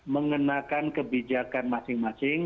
mengenakan kebijakan masing masing